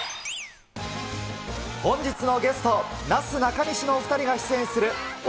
本日のゲスト、なすなかにしのお２人が出演する笑